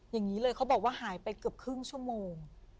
อย่างนี้เลยเขาบอกว่าหายไปเกือบครึ่งชั่วโมง